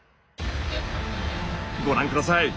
ご覧下さい。